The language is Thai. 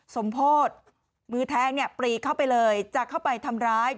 สมโพธิมือแทงเนี่ยปรีเข้าไปเลยจะเข้าไปทำร้าย